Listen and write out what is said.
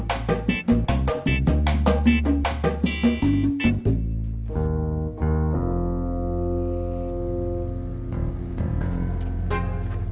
sekarang aku di pertumpungan